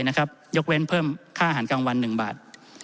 ยกเว้นเพิ่มค่าอาหารกลางวัน๑บาท